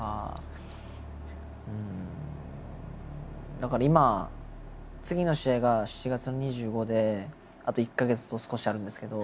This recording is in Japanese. だから今次の試合が７月の２５であと１か月と少しあるんですけど。